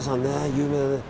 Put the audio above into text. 有名な。